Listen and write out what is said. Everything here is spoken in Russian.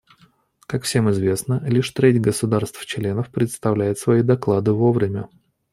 Как всем известно, лишь треть государств-членов представляет свои доклады вовремя.